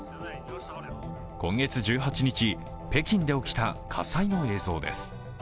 今月１８日、北京で起きた火災の映像です。